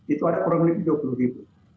itu ada kurang lebih dua puluh ribu